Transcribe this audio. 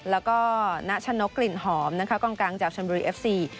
แล้วก็ณชนกกลิ่นหอมนะคะกองกลางจากชนบุรีเอฟซี